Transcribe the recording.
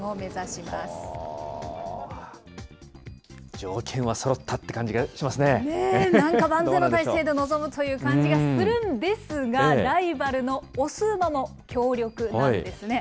条件はそろったって感じはしなんか万全の体制で臨むという感じがするんですが、ライバルの雄馬も強力なんですね。